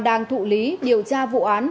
đang thụ lý điều tra vụ án